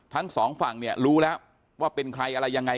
ทั้งสองฝั่งเนี่ยรู้แล้วว่าเป็นใครอะไรยังไง